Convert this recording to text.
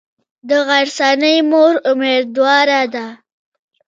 د غرڅنۍ مور امیدواره ده.